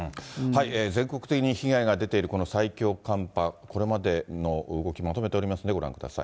全国的に被害が出ているこの最強寒波、これまでの動き、まとめておりますんでご覧ください。